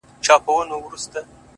له غرونو واوښتم; خو وږي نس ته ودرېدم ;